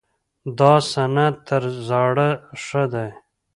دا سند تر زاړه ښه دی.